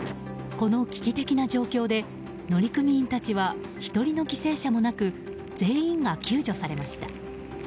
この危機的な状況で乗組員たちは１人の犠牲者もなく全員が救助されました。